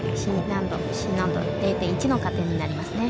Ｃ難度、Ｃ難度０．１の加点になります。